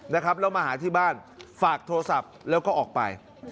นะครับแล้วมาหาที่บ้านฝากโทรศัพท์แล้วก็ออกไป